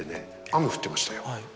雨降ってましたよ